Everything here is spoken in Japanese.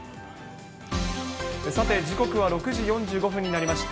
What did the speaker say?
さて、時刻は６時４５分になりました。